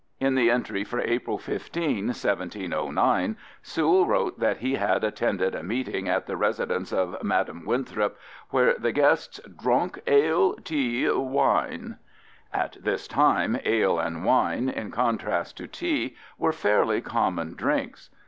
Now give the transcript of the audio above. In the entry for April 15, 1709, Sewall wrote that he had attended a meeting at the residence of Madam Winthrop where the guests "drunk Ale, Tea, Wine." At this time ale and wine, in contrast to tea, were fairly common drinks.